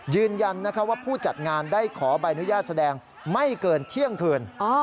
ยืนยันว่าผู้จัดงานได้ขอใบอนุญาตแสดงไม่เกินเที่ยงคืน